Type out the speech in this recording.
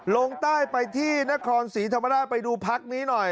ลงใต้ไปที่นครศรีธรรมราชไปดูพักนี้หน่อย